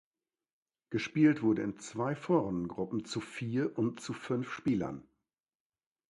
Gespielt wurde in zwei Vorrundengruppen zu vier und zu fünf Spielern.